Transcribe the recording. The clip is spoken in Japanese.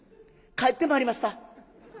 「帰ってまいりました」。